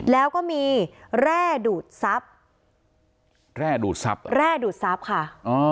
แล้วก็มีแร่ดูดซับแร่ดูดซับแร่ดูดซับค่ะอ๋อ